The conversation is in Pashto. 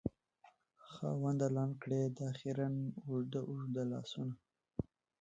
خاونده! لنډ کړې دا خیرن اوږده اوږده لاسونه